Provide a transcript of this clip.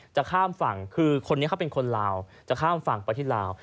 จะข้ามฝั่งคือคนนี้เขาเป็นคนลาวจะข้ามฝั่งไปที่ลาว